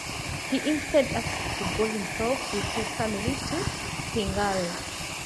He instead asks to go himself with his family to Pingaree.